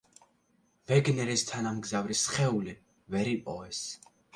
ვეგენერის თანამგზავრის სხეული ვერ იპოვეს.